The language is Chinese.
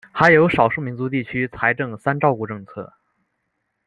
还有少数民族地区财政三照顾政策。